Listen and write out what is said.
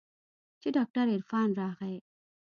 چې ډاکتر عرفان راغى.